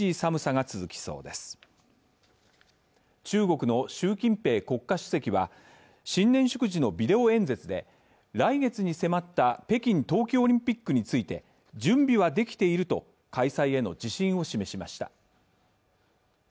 中国の習近平国家主席は新年祝辞のビデオ演説で来月に迫った北京冬季オリンピックについて準備はできていると開催への自信を示しました。